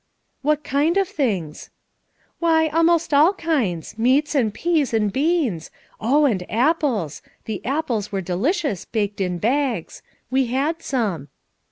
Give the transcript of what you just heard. "What kind of things ?" "Why, almost all kinds; meats, and peas and beans ; oh, and apples ; the apples were delicious baked in bags; we had some."